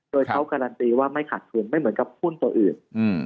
โดยเขาการันตีว่าไม่ขาดทุนไม่เหมือนกับหุ้นตัวอื่น